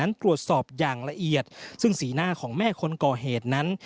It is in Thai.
ตรวจสอบอย่างละเอียดซึ่งสีหน้าของแม่คนก่อเหตุนั้น